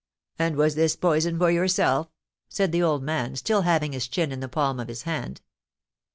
"And was this poison for yourself?" said the old man, still having his chin in the palm of his hand.